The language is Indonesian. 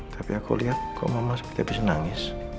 tapi aku lihat kok mama sepi sepi senangis